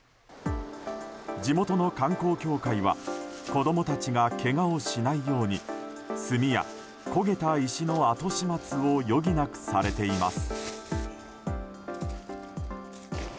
地元の観光協会は子供たちがけがをしないように炭や、焦げた石の後始末を余儀なくされています。